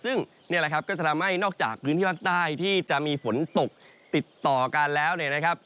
ซึ่งนี่แหละครับก็จะทำให้นอกจากพื้นที่ภาคใต้ที่จะมีฝนตกติดต่อกันแล้วเนี่ยนะครับ